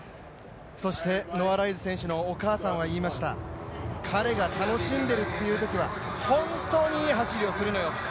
そしてノア・ライルズ選手のお母さんは言いました、彼が楽しんでるというときは、本当にいい走りをするのよと。